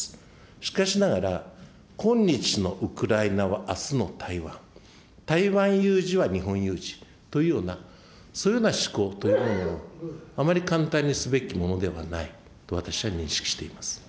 しかしながら、今日のウクライナはあすの台湾、台湾有事は日本有事というような、そういうような思考というものを、あまり簡単にすべきものではないと私は認識しています。